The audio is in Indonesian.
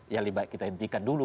ya lebih baik kita hentikan dulu